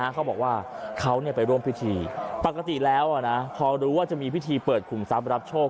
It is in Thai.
เขาบอกว่าเขาไปร่วมพิธีปกติแล้วพอรู้ว่าจะมีพิธีเปิดขุมทรัพย์รับโชค